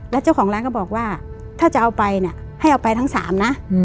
แล้วเจ้าของร้านก็บอกว่าถ้าจะเอาไปเนี่ยให้เอาไปทั้ง๓นะ